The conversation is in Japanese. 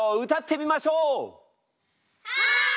はい！